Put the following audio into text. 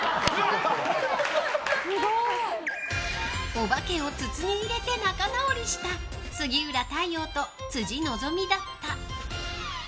お化けを筒に入れて仲直りした杉浦太陽と辻希美だった。